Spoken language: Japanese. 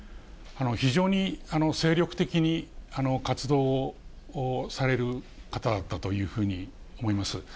非常に精力的に活動をされる方だというふうに思います。